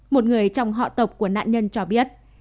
một người trong họ tộc của nạn nhân cho biết